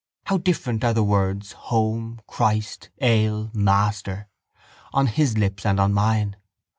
How different are the words home, Christ, ale, master, on his lips and on mine!